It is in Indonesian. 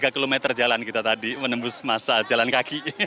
tiga km jalan kita tadi menembus masa jalan kaki